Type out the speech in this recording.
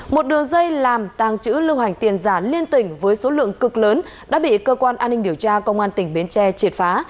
một đường dây làm tàng trữ lưu hành tiền giả liên tỉnh với số lượng cực lớn đã bị cơ quan an ninh điều tra công an tỉnh bến tre triệt phá